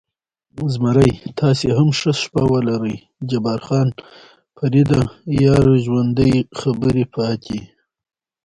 زمري: تاسې هم ښه شپه ولرئ، جبار خان: فرېډه، یار ژوندی، خبرې پاتې.